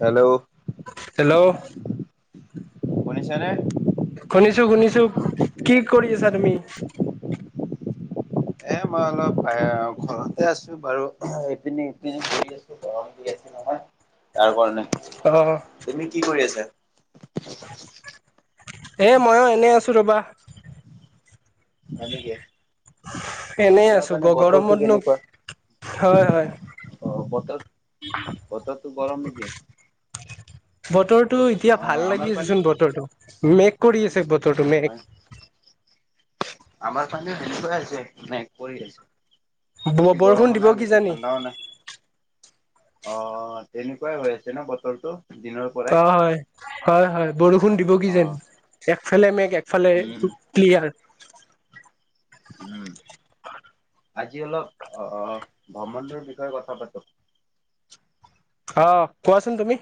Hello hello শুনিছা নে। শুনিছোঁ শুনিছোঁ কি কৰি আছা তুমি। এ মই অলপ ঘৰতে আছোঁ বাৰু ইপিনে হিপিনে বহি আছো গৰম যি আছে। তাৰ কাৰণে অ তুমি কি কৰি আছা? এ মইয়ো এনেই আছো ৰবা। হয় নেকি। অ এনেই তোমাৰ আছো কাৰণে বতৰটো গৰমতনো কেনেকুৱা? হয় হয়। অ বতৰ বতৰতো গৰম নেকি? বতৰটো এতিয়া অ ভাল আমাৰ লাগি আছে পানে চোন বতৰটো মেক কৰি আছে। বতৰটো হয় মেক। আমাৰ ফালেও সেনেকোৱাই আছে মেক কৰি আছে। বেছি বৰষুণ গৰমো দিব নাই, বেছি কিজানি ঠাণ্ডাও নাই। অ তেনেকুৱাই হৈ আছে ন বতৰটো। দিনৰ পৰাই। অ হয় হয় হয় বৰষুণ দিব অ কিজান একফালে মেঘ এক ফালে উম ক্লিয়াৰ। উম! হয়। আজি অলপ আহ ভ্ৰমণটোৰ বিষয়ে কথা পাতো। আহ কোৱাচোন তুমি।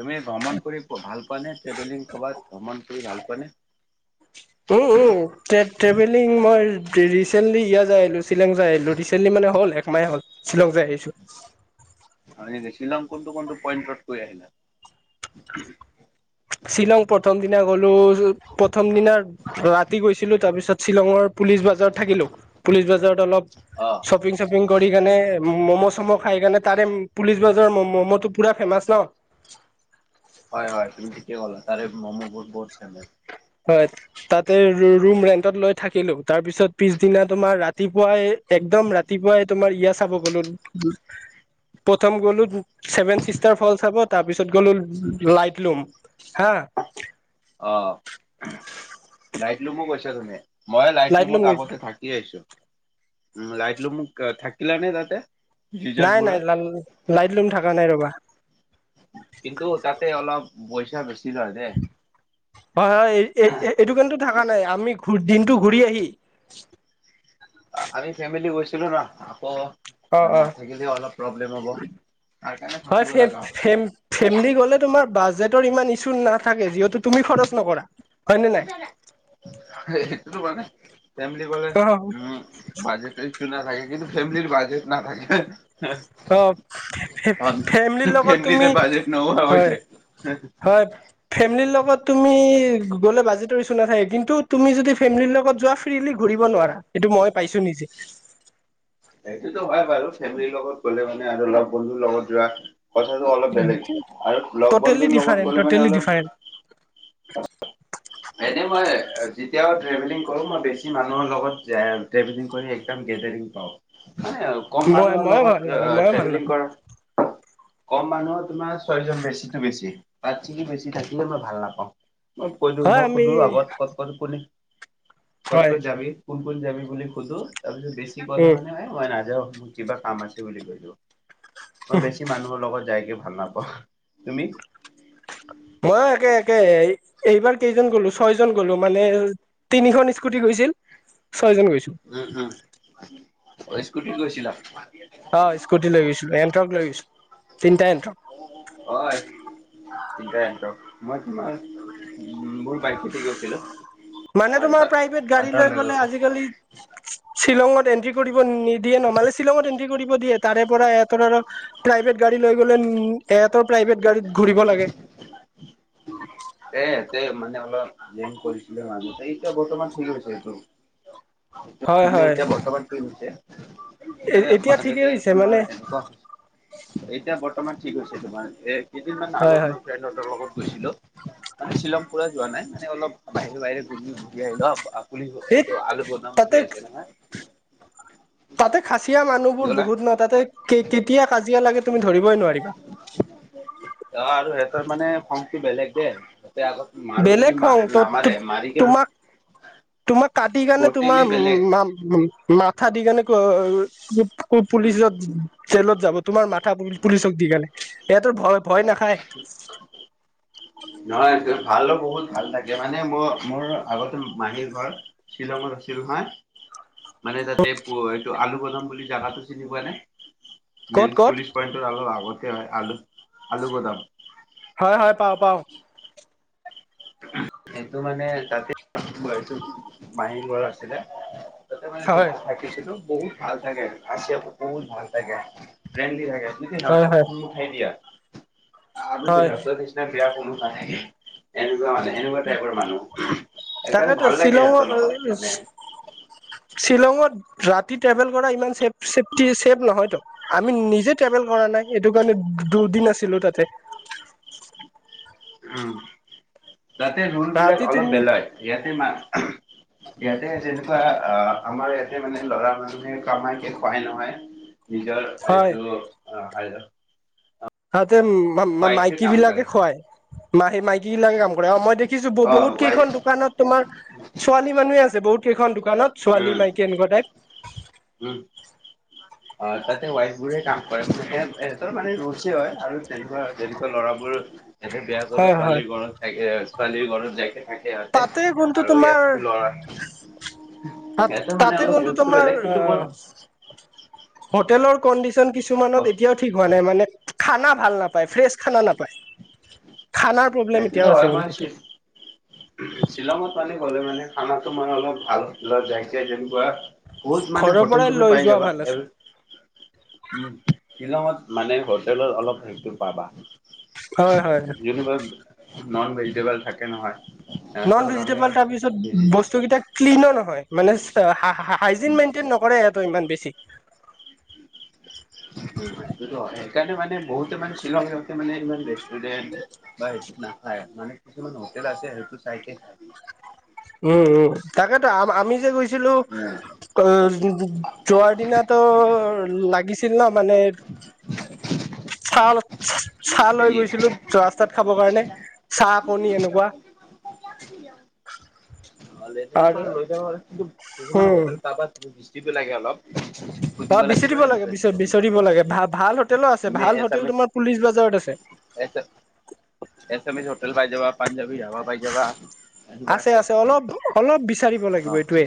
তুমি ভ্ৰমণ কৰি ভাল পোৱা নে ট্ৰেভেলিং কৰাত ভ্ৰমণ কৰি ভাল পোৱা। উম উম তে ট্ৰেভেলিং মই ৰিচেণ্টলি ইয়াত যাই আহিলো শ্বিলং যাই আহিলো ৰিচেণ্টল মানে হল একমাহ হল শ্বিলং যায় আহিছো। [inaudible] হয় নেক শ্বিলং কোনটো কোনটো পইণ্টত গৈ আহিলা। শ্বিলং প্ৰথম দিনা গলো প্ৰথম দিনা ৰাতি গৈছিলো তাৰপিছত শ্বিলঙৰ। পুলিচ বজাৰত থাকিলোঁ, পুলিচ বজাৰত অলপ অ শ্বপিং শ্বপিং, কৰি কেনে ম'ম' চম' খাই কেনে তাৰে পুলিচ বাজাৰৰ ম'ম'টো পুৰা ফেমাচ ন। হয় হয় তুমি ঠিকে কলা তাৰে মম ব বহুত ফেমাচ। হয়, তাতে ৰুম ৰুম ৰেণ্টত লৈ থাকিলোঁ, তাৰপিছত পিছ দিনা ৰাতিপুৱাই এক, একদম ৰাতিপুৱাই তোমাৰ ইয়া চাব গলো। প্ৰথম গলো চেভেন চিষ্টাৰ ফলচ চাব তাৰ পিছত গলো লাইটলুম হা [inaudible] অ লাইট লুমো গৈছা তুমি। মই লাইট ৰুমত লুম গৈছো আগতে থাকি আহিছো। লাইট ৰুম থাকিলা নে তাতে। নাই নাই ৰিজৰ্টবোৰত ল লাইট লুম থকা নাই ৰবা। কিন্তু তাতে অলপ পইচা বেছি লয় দে। হয় হয় এইটো কিন্তু থকা নাই আমি ঘ দিনটো ঘূৰি আহি। আ আমি ফেমিলি গৈছিলো ন অ আকৌ অ নাথাকিলেও অলপ প্ৰব্লেম হ'ব। তাৰ কাৰণে হয় থাকিব ফেফ লগা হ'ল। ফেম ফেমিলি গলে তোমাৰ বাজেট। ৰ ইমান ইচো নাথাকে যিহেতু তুমি খৰচ নকৰা। হয় নে নাই সেইটোতো মানে। ফেমলি গলে উম বাজেট ইছু নাথাকে কিন্তু ফেমিলিৰ বাজেট নাথাকে। হেহ ফে ফে ফেমলিৰ লগত তুমি বাজেট নোহোৱা হয় হৈছে। হয় ফেমেলিৰ লগত তুমি গ'লে বাজেটৰ ইছু নাথাকে কিন্তু তুমি যদি ফেমেলিৰ লগত যোৱা ফ্ৰিলি ঘূৰিব নোৱাৰা। এইটো মই পাইছো নিজে সেইটোতো হয় বাৰু ফেমেলিৰ লগত গ'লে মানে আৰু লগ বন্ধুৰ লগত যোৱা। কথাটো অলপ বেলেগ আৰু লগ টটেলি বন্ধুৰ লগত ডিফাৰেণ্ট গ'লে মানে টটেলি অলপ ডিফাৰেণ্ট [unintelligible] এনে মই যেতিয়াও ট্ৰেভেলিং কৰো মই বেছি মানুহৰ লগত এ ট্ৰেভেলিং কৰি একদম গে তেদিং পাও মানে কম মই মানুহৰ মইয়ে ভাল লগত নাপাওঁ আ মইয়ে ভাল ট্ৰেভেলিং নাপাওঁ কৰা। কম মানুহৰ তোমাৰ ছয়জন বেছিটো বেছি তাত থেকি বেছি থাকিলে মই ভাল নাপাওঁ। মই কৈ দিও হয় মই আমি সুধো আগত ক'ত কত গলি কত কত হয় যাবি কোন কোন যাবি বুলি সোধো তাৰপিছত বেছি কলে উম মানে এ মই নাযাওঁ কিবা কাম আছে বুলি কৈ দিও মই বেছি মানুহৰ লগত যাইকে ভাল নাপাও তুমি মই একে একে এই এইবাৰ কেইজন গলো ছয় জন গ'লো মানে তিনিখন স্কুটি গৈছ ছিল উম উম স্কুটিত গৈছিলা। অ স্কুটি লৈ গৈছিলোঁ এণ্ট্ৰক লৈ গৈছিলোঁ তিনটা এণ্ট্ৰক এন্ত্ৰক মই কি মান পাইক থাকি গৈছিলো। মানে তোমাৰ প্ৰাইভেট গাড়ী হান্তাৰ লৈ গ'লে গৈছো। আজিকালি শ্বিলঙত। এন্ট্ৰী কৰিব নিদিয়ে ন মানে শ্বিলঙত এন্ট্ৰি কৰিব দিয়ে তাৰে পৰা এট্ৰৰৰ প্ৰাইভেট গাড়ী লৈ গ'লে। উ এহঁতৰ প্ৰাইভেট গাড়ীত ঘুৰিব লাগে। তে তে মানে অলপ জন কৰিছিলো মাহতে এতিয়া বৰ্তমান ঠিক হৈছে এইটো। হয় মানে হয় এতিয়া বৰ্তমান কি হৈছে। মানে এতিয়া ঠিকেই মাজতে হৈছে মানে তোমাৰ এনেকুৱা হৈছ। এতিয়া বৰ্তমান ঠিক হৈছে তোমাৰ এ কেইদিনমান হয় আগত হয় মই ফ্ৰেণ্ড হঁতৰ লগত গৈছিলো। মানে শ্বিলং পুৰা যোৱা নাই মানে অলপ বাহিৰে বাহিৰে ঘূমি ঘুৰি আহিলো আ। পুলিব এই এইটো আলু বদাম তাতে বুলি আছে নহয়। খাচিয়া কি মানুহবোৰ ক'লা বহুত ন তাতে কে কেতিয়া কাজিয়া লাগে তুমি ধৰিবই নোৱাৰিবা। অ আৰু সিহঁতৰ মানে খ্ং টো বেলেগ যে। এ আগত মাৰো বেলেগ বুলি খং মাৰে ত নামাৰে মাৰি কে। তোমাক তোমাক কাটি কাৰণে টটেলি তোমাৰ বেলেগ ওম মাম। মাথা দি কেনে ক পুলিচত জে জেলত যাব। তোমাৰ মাথা পুলিচক দি কিনে ইয়াতো ভয় ভয় নাখায়। নহয় ভালো বহুত ভাল লাগে মানে মই মোৰ আগতে মাহীৰ ঘৰ শ্বিলঙত। হৈছিল নহয় মানে তাতে প এইটো আলু বদাম বুলি জাগাটো চিনি পোৱা নে। মেন ক'ত ক'ত পুলিচ পইণ্টটো অলপ আগতে হয় আলু আলু গোদাম। হয় হয় পাও পাও। এইটো মানে তাতেটো মাহীৰ ঘৰ আছিলে। তাতে মানে হয় থা থাকিছিলো বহুত ভাল থাকে আচি বহুত ভাল থাকে ফ্ৰেণ্ডলি থাকে। যদি হয় বাতক হয় খু উঠাই দিয়া। আৰু ক হয় আ্ত দিছ ন বেয়া খন ক। মানে এনেকুৱা টাইপৰ মানুহ সেইকাৰণে তাকেতো ভাল লাগে শ্বিলঙৰ সিহঁতৰ লগত মানে। শ্বিলঙত। ৰাতি ট্ৰেভেল কৰা ইমান চছেফটি ছেফ নহয়তো আমি নিজে ট্ৰেভেল কৰা নাই এইটো কাৰণে। দুদিন আছিলো তাতে [inaudible] উ তাতে ৰোল বিলাক ৰাতি অলপ তুমি বেলগ ইয়াতে মা ইয়াতে যেনেকুৱা আহ আমাৰ ইয়াতে মানে লৰা মানুহে কামাই খুৱাই নহয়। নিজৰ হয় আটো অ হয়দ। তাতে মাইকী বিলাকে কৰে। খুৱাই ম সেই মাইকী বিলাকে কাম কৰে মই দেখিছো অ' বহুত ৱাইফ কেইখন। দোকানত তোমাৰ ছোৱালী মানুহে আছে বহুত। কেইখন দোকানত ছোৱালী উম, মাইকী এনেকুৱা উম। টাইপ। অ তাতে ৱাইফ বোৰে কাম কৰে স সিহঁতৰ মানে ৰোচ হয় আৰু তেনেকুৱা তেনেকুৱা ল'ৰাবোৰ। এতে বেয়া কৰি হয় হয় ছোৱালীৰ ঘৰত থাকে ছোৱালীৰ ঘৰত জাকে। তাতে কোনটো তোমাৰ। সিহঁতৰ মানে তাতে অলপ বন্ধু ৰুলচটো তোমাৰ বেলেগ কিন্তু বহুত আহ। হোটেলৰ কণ্ডিশন কিছুমানত এতিয়াও ঠিক হোৱা নাই মানে। খানা ভাল নাপায় ফ্ৰেছ খানা নাপায়। খানাৰ প্ৰব্লেম সেইটোতো এতিয়াও হয় আছে বটো। মই শ্বিলঙত মানে গ'লে মানে খানা মানে অলপ ভালত যাইছে যেনেকুৱা। বহুত মানে ঘৰৰ হোটেল পৰাই তুমি লৈ পাই যোৱা যাবা ভাল উ। আছে শ্বিলঙত মানে হোটেলত অলপ হেৰিটো পাবা। হয় হয়। যেনিবা নন ভেজিটেবল থাকে নহয়। সিহঁতৰ নন কাৰণে ভেজিটেবল তাৰ পিছত হেৰি বস্তুকেইটা ক্লিনো নহয় মানে। উম, হাইজিন মেইনটেইন নকৰে ইয়টো ইমান বেছি। হয় [unintelligible] তো সেইকাৰণে মানে বহুতে মানে শ্বিলংতে মানে ইমান [unintelligible] মানে কিছুমান হোটেল আছে সেইটো চাইকে খাব উম উম তাকেতো আ আমি যে গৈছিলো। অ যোৱাৰ দিনাটো লাগিছিল ন মানে। চাহ চাহ লৈ গৈছিলো ৰাস্তাত খাবৰ কাৰণে চাহ কণী এনেকুৱা ভালে ত আৰু কম ৰৈ কিন্তু কিছুমান উম হোটেল তাৰপাত বৃষ্টি লাগে অলপ। অ সুধিব বিচাৰ লাগিব দিব লাগে এনেকুৱা বিচ এনেকুৱা বিচাৰ দিব হোটেল লাগে ভাল ভাল হোটেলো আছে ভাল হোটেল তোমাৰ পুলিচ বজাৰত আছে। A S M S hotel পাই যাবা পাঞ্জাবী ধাবা পাই যাবা। আছে আছে অলপ অলপ বিচাৰিব অ লাগিব এইটোৱে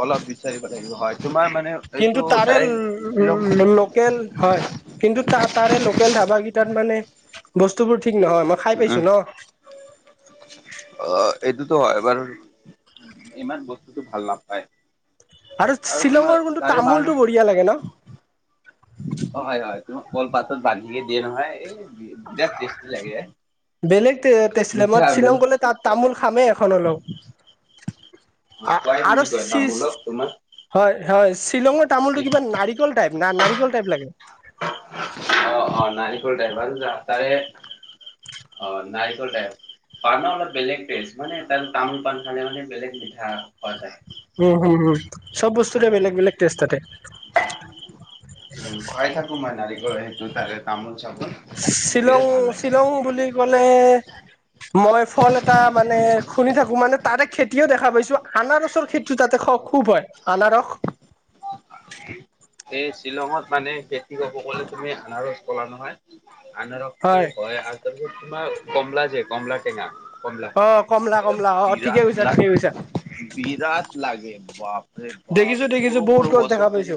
অলপ বিচাৰিব লাগিব হয় তোমাৰ মানে এইটো কিন্তু তাৰে ডাইৰেক্ট শ্বিলং লোকেল হয় কিন্তু তাৰে ল লোকেল ধাবাকেইটাত মানে বস্তুবোৰ ঠিক নহয় মই খাই উম পাইছো ন অ এইটোতো হয়বাৰো ইমান বস্তুটো ভাল নাপায় আৰু তোমাৰ শ্বিলঙৰ কোনটো তাৰে তামোলটো বালাল বঢ়িয়া লাগে ন অ হয় হয়। কল পাতত বান্ধিয়ে দিয়ে নহয় এই বিৰাট টেষ্টি লাগে বেলেগ তেত মিঠা শ্বিলং আবেল গলে তাত তামোল খামেই এখন হ'লেও কোৱাই আৰু বুলি কয় চি তামোলক তোমাৰ হয় হয় শ্বিলঙৰ তামোলটো কিবা নাৰিকল টাইপ না নাৰিকল টাইপ লাগে। অ অ নাৰিকলৰ ড্ৰাইভাৰ তাৰে অ নাইকলে পাণ অলপ বেলেগ টেষ্ট মানে ত তামোল পাণ খালে মানে বেলেগ মিঠা পোৱা যায়। উম হুম হুম চব বস্তুতে বেলেগ বেলেগ টেষ্ট তাতে উম পাই থাকো মই নাৰিকলৰ সেইটো তাৰে তামোল চাম। শ্বিলং শ্বিলং বুলি কলে। মই ফল এটা মানে শুনি থাকো মানে। তাাৰে খেতিও দেখা পাইছো আনাৰসৰ খেতিটো তাতে খুব হয় আনাৰস। এই শ্বিলঙত মানে খেতি ক'ব গলে তুমি আনাৰস পলা নহয়। আনাৰকটো হয় আৰু তাৰপ তোমাৰ কমলা যে কমলা টেঙা। কমলা অ কমলা কমলা অ ঠিকে বিৰাট কৈছা ঠিকে কৈছা বিৰাট। লাগে বাপৰে বা দেখিছো দেখিছো সৰু বহুত সৰু গছ গছৰ দেখা পাইছো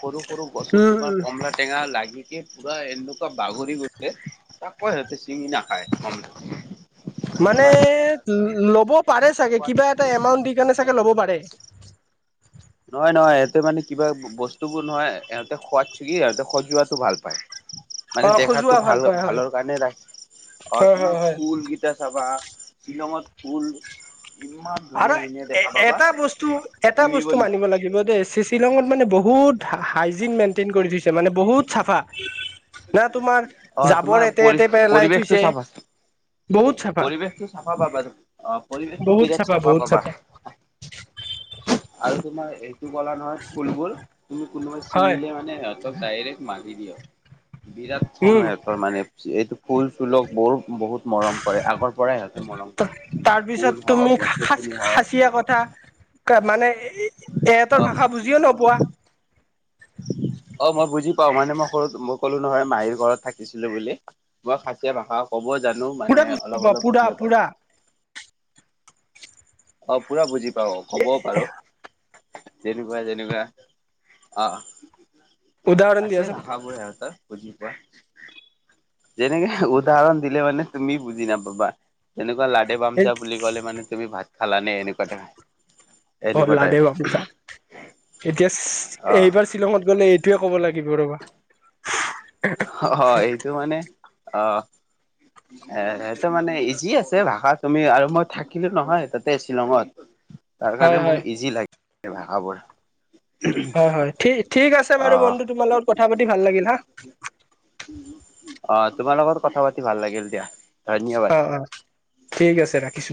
সৰু সৰু গছত তোমাৰ উম কমলা টেঙা লাগি কি পুৰা এনেকুৱা বাগৰি গৈছে তাক কো সিহতি চিঙি নাখায় কমলা তেঙা মানে ল'ব পাৰে চাগে কিবা এটা এমাউন্ট দি কাৰণে চাগে ল'ব পাৰে। [inaudible] নহয় নহয় ইিহঁতে মানে কিবা বস্তুবোৰ নহয় ইহঁতে সোৱাত ছিগি ইহঁতে সজোৱাতটো ভাল পায় অ মানে খজুৱা দেখাতটো ভাল পায় হয়। ভালৰ কাৰণে ৰাখি অ হয় হয় তোমাৰ হয় ফুলকেইটা চাবা‌ হা শিলঙত ফুল ইমান আৰু ধুনীয়া ধুনীয়া এ দেখা পাবা এটা বস্তু এটা ছিঙিব বস্তু নি মানিব লাগিব দে শি শ্বিলঙত মানে বহুত হাইজিন মেইনটেইন কৰি থৈছে মানে বহুত চাফা না তোমাৰ অ জাবৰ তোমাৰ এতে পৰি এতে পে লাই পৰিৱেশটো থৈছে চাফা বহুত চাফা পৰিৱেশটো চাফা প বাবাৰ অ পৰিৱেশটো বিৰাট চাফা বহুত পাবা চাফা আৰু তোমাৰ এইটো কলা নহয় ফুলবোৰ তুমি কোনোবাই হয় চিঙিলে মমানে সিহত ডাইৰেক্ট মাৰি দিয়ে বিৰাট উম খংঙাই সিহঁতৰ তৰ মানে এইটো ফুল চুলক বৰ বহুত মন মৰম কৰে আগৰ পৰাই সিহঁতে মৰম কৰে তাৰপিছত ফুল তুমি হওক গছ গছনি খাচীয়া কথা হওক মানে এহেতৰ অ ভাষা বুজিও নপোৱা। অ মই বুজি পাও মানে মই সৰু সকলো নহয় মাহীৰ ঘৰত থাকিছিলো বুলি মই খাচীয়া ভাষা ক'ব জানো মানে পুৰা বুজি অলপ পোৱা অলপ পুৰা বুজিয়ে পাওঁ। পুৰা অ পুৰা বুজি পাও ক'বও পাৰো। তেনেকুৱা তেনেকুৱা অ। উদাহৰণ আছে দিয়াচোন ভষাবোৰ সিহঁতৰ। বুজি পোৱা যেনেকে উদাহৰণ দিলে মানে তুমি বুজি নাপাবা। তেনেকুৱা লাডে এই বাম্জা বুলি ক'লে মানে তুমি ভাত। খালানে এনেকুৱা টাইপ এনেকুৱা হলা দে বাপছা টাইপ। এতিয়া অ এইবাৰ শ্বিলঙত গ'লে এইটোৱে ক'ব লাগিব ৰবা। অ এইটো মানে অহ। এ সেইহটো মানে ইজি আছে ভাষা তুমি আৰু মই থাকিলো নহয় তাতে শ্বিলঙত। তাৰ কাৰণে হয় মোক হয় ইজি লাগে ভাষাবোৰ। হয় হয় ঠিক আছে অ বাৰু বন্ধু তোমাৰ লগত কথা পাতি ভাল লাগিল হা। অ তোমাৰ লগত কথা পাতি ভাল লাগিল দিয়া। ধন্যবাদ অ অ ঠিক আছে ৰাখিছো।